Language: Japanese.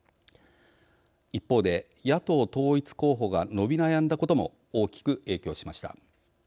一方で野党統一候補が伸び悩んだことも大きく影響しました。